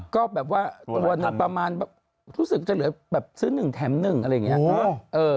ตัวนั้นประมาณชื่อสุขจะเหลือซื้อหนึ่งแถมหนึ่งอะไรอย่างนี้